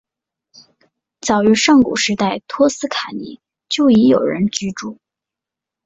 早于上古时代托斯卡尼就已有人居住。